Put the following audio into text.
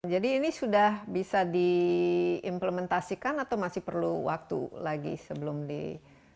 jadi ini sudah bisa diimplementasikan atau masih perlu waktu lagi sebelum bisa digunakan